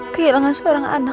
kehilangan seorang anak